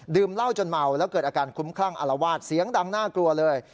เหล้าจนเมาแล้วเกิดอาการคุ้มคลั่งอารวาสเสียงดังน่ากลัวเลย